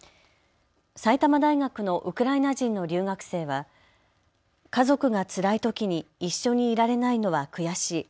埼玉大学のウクライナ人の留学生は家族がつらいときに一緒にいられないのは悔しい。